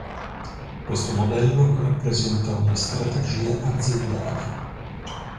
Questo modello rappresenta una strategia aziendale.